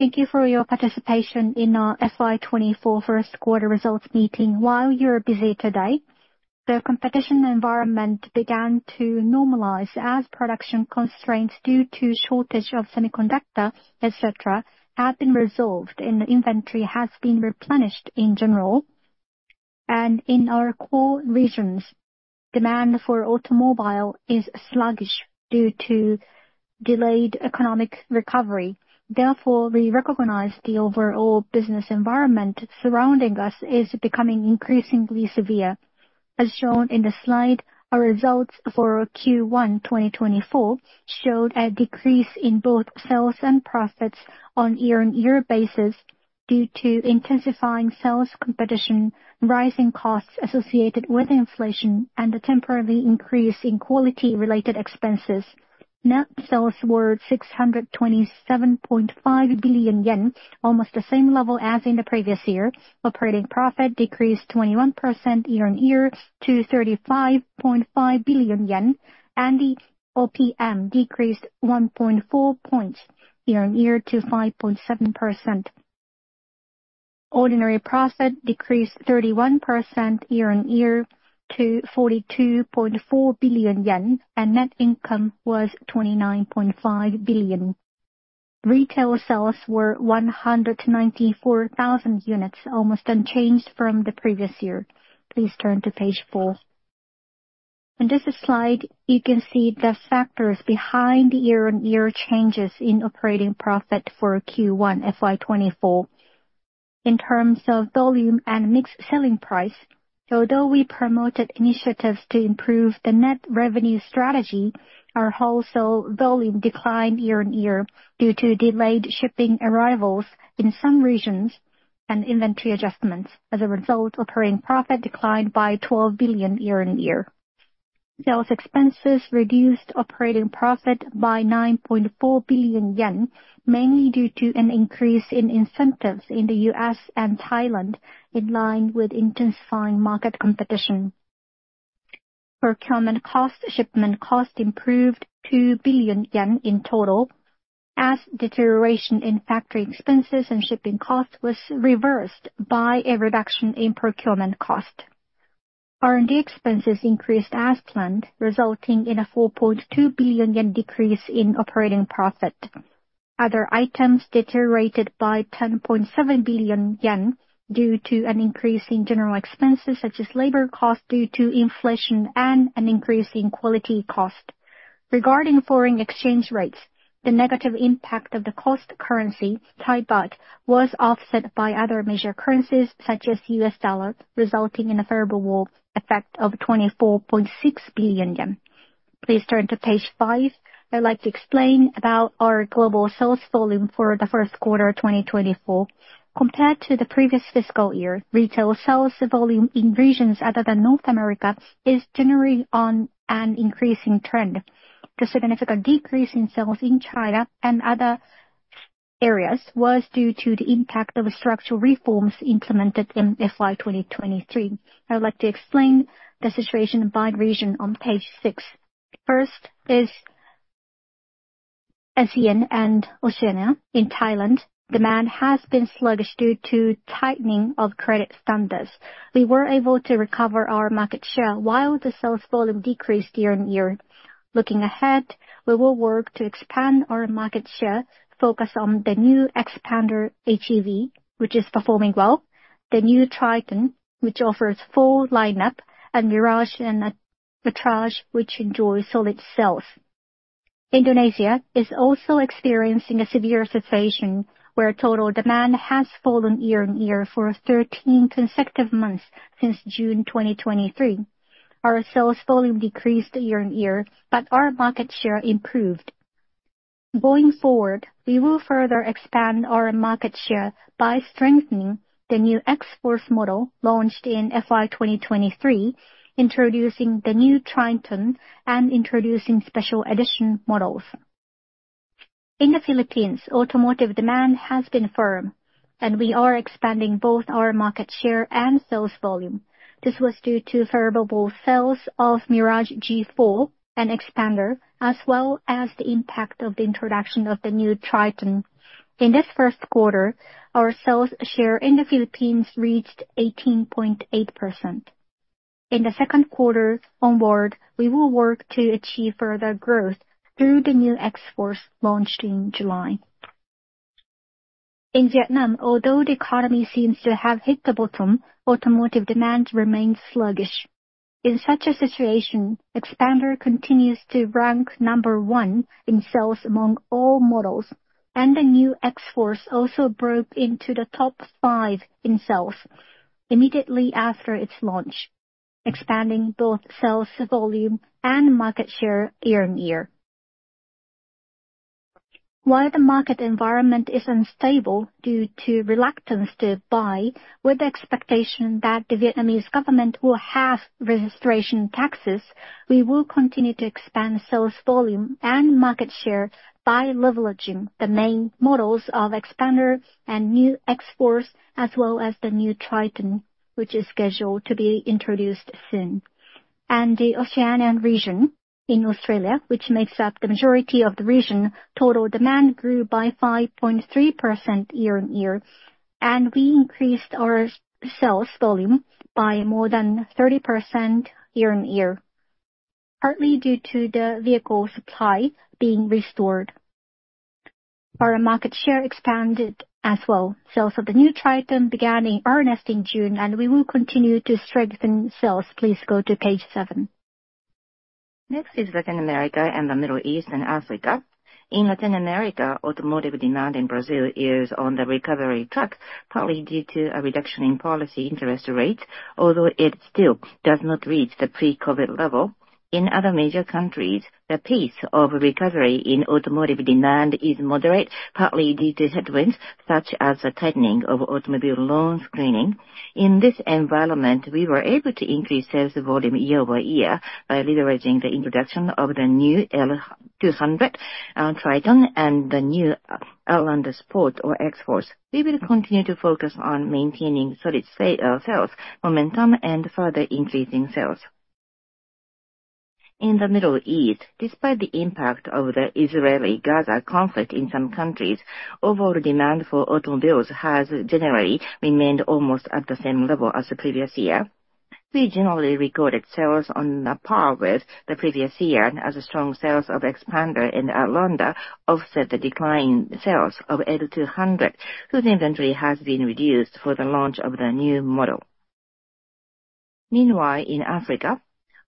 Thank you for your participation in our FY 2024 first quarter results meeting. While you're busy today, the competition environment began to normalize as production constraints due to shortage of semiconductors, etc., have been resolved and the inventory has been replenished in general. In our core regions, demand for automobile is sluggish due to delayed economic recovery. Therefore, we recognize the overall business environment surrounding us is becoming increasingly severe. As shown in the slide, our results for Q1 2024 showed a decrease in both sales and profits on a year-on-year basis due to intensifying sales competition, rising costs associated with inflation, and a temporary increase in quality-related expenses. Net sales were 627.5 billion yen, almost the same level as in the previous year. Operating profit decreased 21% year-on-year to 35.5 billion yen, and the OPM decreased 1.4 points year-on-year to 5.7%. Ordinary profit decreased 31% year-on-year to 42.4 billion yen, and net income was 29.5 billion. Retail sales were 194,000 units, almost unchanged from the previous year. Please turn to page 4. In this slide, you can see the factors behind the year-on-year changes in operating profit for Q1 FY 2024. In terms of volume and mix selling price, although we promoted initiatives to improve the net revenue strategy, our wholesale volume declined year-on-year due to delayed shipping arrivals in some regions and inventory adjustments. As a result, operating profit declined by 12 billion year-on-year. Sales expenses reduced operating profit by 9.4 billion yen, mainly due to an increase in incentives in the U.S. and Thailand, in line with intensifying market competition. Procurement costs, shipment costs improved 2 billion yen in total, as deterioration in factory expenses and shipping costs was reversed by a reduction in procurement cost. R&D expenses increased as planned, resulting in a 4.2 billion yen decrease in operating profit. Other items deteriorated by 10.7 billion yen due to an increase in general expenses, such as labor costs due to inflation and an increase in quality cost. Regarding foreign exchange rates, the negative impact of the cost currency, Thai baht, was offset by other major currencies, such as U.S. dollar, resulting in a favorable effect of 24.6 billion yen. Please turn to page five. I'd like to explain about our global sales volume for the first quarter of 2024. Compared to the previous fiscal year, retail sales volume in regions other than North America is generally on an increasing trend. The significant decrease in sales in China and other areas was due to the impact of structural reforms implemented in FY 2023. I would like to explain the situation by region on page six. First is ASEAN and Oceania in Thailand. Demand has been sluggish due to tightening of credit standards. We were able to recover our market share while the sales volume decreased year-on-year. Looking ahead, we will work to expand our market share, focus on the new Xpander HEV, which is performing well, the new Triton, which offers full lineup, and Mirage and Attrage, which enjoy solid sales. Indonesia is also experiencing a severe situation where total demand has fallen year-on-year for 13 consecutive months since June 2023. Our sales volume decreased year-on-year, but our market share improved. Going forward, we will further expand our market share by strengthening the new XForce model launched in FY 2023, introducing the new Triton and introducing special edition models. In the Philippines, automotive demand has been firm, and we are expanding both our market share and sales volume. This was due to favorable sales of Mirage G4 and Xpander, as well as the impact of the introduction of the new Triton. In this first quarter, our sales share in the Philippines reached 18.8%. In the second quarter onward, we will work to achieve further growth through the new XForce launched in July. In Vietnam, although the economy seems to have hit the bottom, automotive demand remains sluggish. In such a situation, Xpander continues to rank number one in sales among all models, and the new XForce also broke into the top five in sales immediately after its launch, expanding both sales volume and market share year-on-year. While the market environment is unstable due to reluctance to buy, with the expectation that the Vietnamese government will have registration taxes, we will continue to expand sales volume and market share by leveraging the main models of Xpander and new XForce, as well as the new Triton, which is scheduled to be introduced soon. The Oceania region in Australia, which makes up the majority of the region, total demand grew by 5.3% year-on-year, and we increased our sales volume by more than 30% year-on-year, partly due to the vehicle supply being restored. Our market share expanded as well. Sales of the new Triton began in earnest in June, and we will continue to strengthen sales. Please go to page seven. Next is Latin America and the Middle East and Africa. In Latin America, automotive demand in Brazil is on the recovery track, partly due to a reduction in policy interest rates, although it still does not reach the pre-COVID level. In other major countries, the pace of recovery in automotive demand is moderate, partly due to headwinds such as the tightening of automobile loan screening. In this environment, we were able to increase sales volume year-by-year by leveraging the introduction of the new L200 and Triton and the new Outlander Sport or XForce. We will continue to focus on maintaining solid sales momentum and further increasing sales. In the Middle East, despite the impact of the Israeli-Gaza conflict in some countries, overall demand for automobiles has generally remained almost at the same level as the previous year. We generally recorded sales on par with the previous year, as strong sales of Xpander and Outlander offset the declining sales of L200, whose inventory has been reduced for the launch of the new model. Meanwhile, in Africa,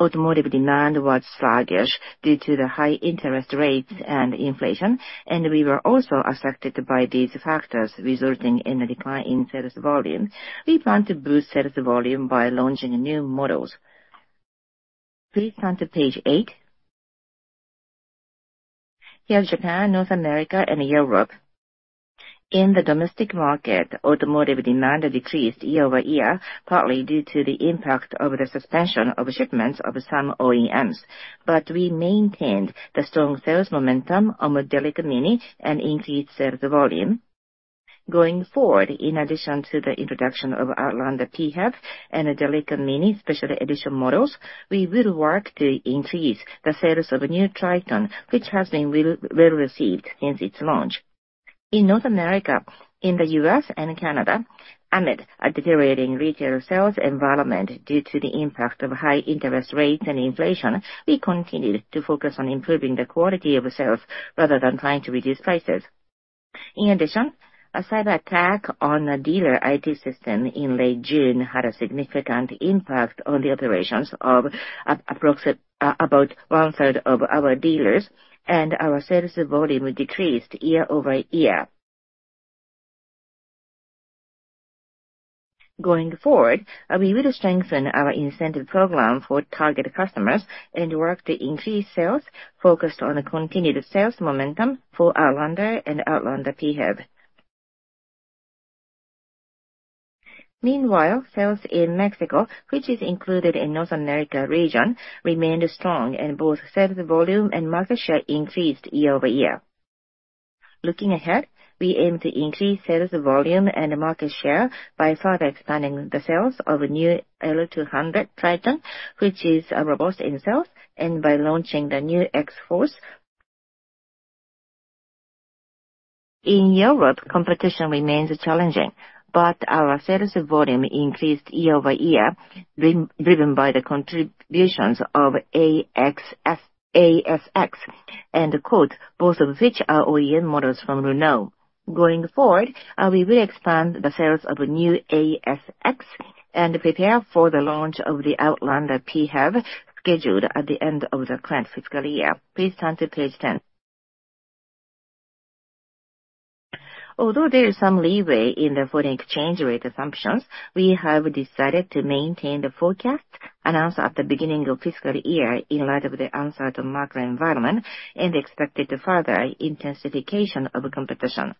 automotive demand was sluggish due to the high interest rates and inflation, and we were also affected by these factors, resulting in a decline in sales volume. We plan to boost sales volume by launching new models. Please turn to page eight. Here's Japan, North America, and Europe. In the domestic market, automotive demand decreased year-over-year, partly due to the impact of the suspension of shipments of some OEMs, but we maintained the strong sales momentum of the Delica Mini and increased sales volume. Going forward, in addition to the introduction of Outlander PHEV and Delica Mini Special Edition models, we will work to increase the sales of the new Triton, which has been well received since its launch. In North America, in the U.S. and Canada, amid a deteriorating retail sales environment due to the impact of high interest rates and inflation, we continued to focus on improving the quality of sales rather than trying to reduce prices. In addition, a cyberattack on a dealer IT system in late June had a significant impact on the operations of about one-third of our dealers, and our sales volume decreased year-over-year. Going forward, we will strengthen our incentive program for target customers and work to increase sales, focused on continued sales momentum for Outlander and Outlander PHEV. Meanwhile, sales in Mexico, which is included in the North America region, remained strong, and both sales volume and market share increased year-over-year. Looking ahead, we aim to increase sales volume and market share by further expanding the sales of the new L200 Triton, which is robust in sales, and by launching the new XForce. In Europe, competition remains challenging, but our sales volume increased year-over-year, driven by the contributions of ASX and Colt, both of which are OEM models from Renault. Going forward, we will expand the sales of the new ASX and prepare for the launch of the Outlander PHEV scheduled at the end of the current fiscal year. Please turn to page 10. Although there is some leeway in the foreign exchange rate assumptions, we have decided to maintain the forecast announced at the beginning of fiscal year in light of the uncertain macro environment and the expected further intensification of competition.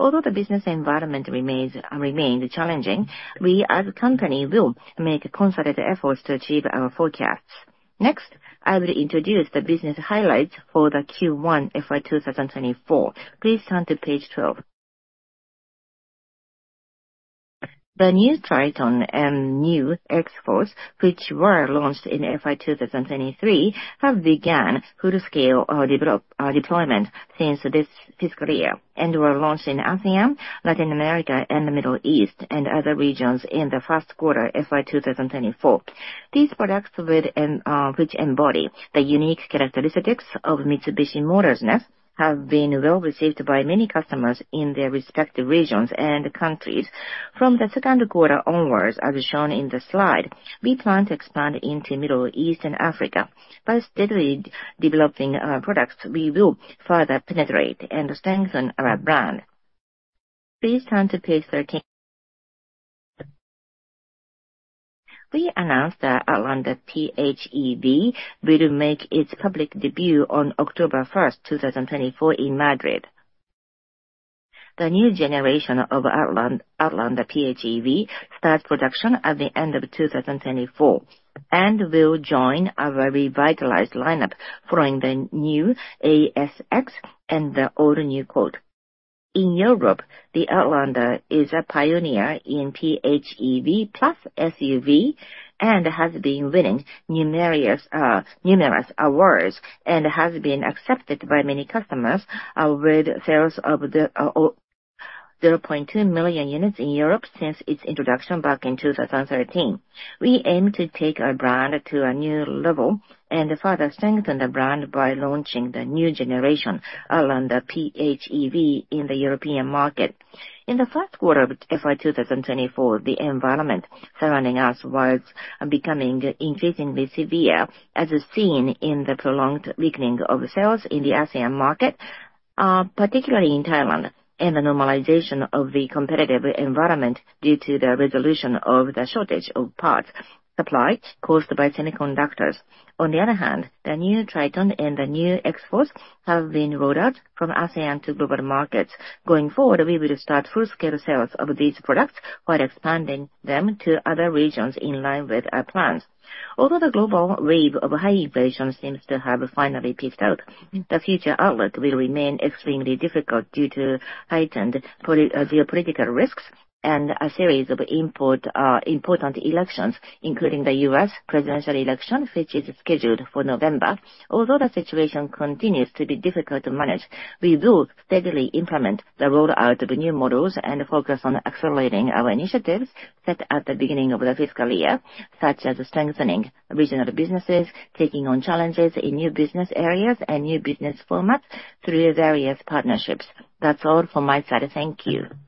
Although the business environment remained challenging, we as a company will make concerted efforts to achieve our forecasts. Next, I will introduce the business highlights for the Q1 FY 2024. Please turn to page 12. The new Triton and new XForce, which were launched in FY 2023, have begun full-scale deployment since this fiscal year and were launched in ASEAN, Latin America, and the Middle East and other regions in the first quarter FY 2024. These products, which embody the unique characteristics of Mitsubishi Motors-ness, have been well received by many customers in their respective regions and countries. From the second quarter onwards, as shown in the slide, we plan to expand into Middle East and Africa. By steadily developing products, we will further penetrate and strengthen our brand. Please turn to page 13. We announced that Outlander PHEV will make its public debut on October 1, 2024, in Madrid. The new generation of Outlander PHEV starts production at the end of 2024 and will join our revitalized lineup following the new ASX and the all-new Colt. In Europe, the Outlander is a pioneer in PHEV plus SUV and has been winning numerous awards and has been accepted by many customers with sales of 0.2 million units in Europe since its introduction back in 2013. We aim to take our brand to a new level and further strengthen the brand by launching the new generation Outlander PHEV in the European market. In the first quarter of FY 2024, the environment surrounding us was becoming increasingly severe, as seen in the prolonged weakening of sales in the ASEAN market, particularly in Thailand, and the normalization of the competitive environment due to the resolution of the shortage of parts supplied caused by semiconductors. On the other hand, the new Triton and the new XForce have been rolled out from ASEAN to global markets. Going forward, we will start full-scale sales of these products while expanding them to other regions in line with our plans. Although the global wave of high inflation seems to have finally peaked out, the future outlook will remain extremely difficult due to heightened geopolitical risks and a series of important elections, including the U.S. presidential election, which is scheduled for November. Although the situation continues to be difficult to manage, we will steadily implement the rollout of new models and focus on accelerating our initiatives set at the beginning of the fiscal year, such as strengthening regional businesses, taking on challenges in new business areas, and new business formats through various partnerships. That's all from my side. Thank you.